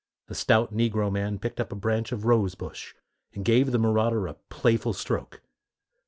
A stout negro man picked up a branch of rose bush, and gave the marauder a playful stroke.